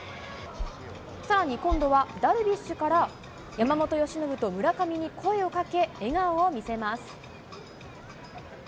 さらに今度はダルビッシュから山本由伸と村上に声をかけ、笑顔を見せます。